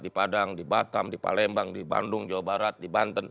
di padang di batam di palembang di bandung jawa barat di banten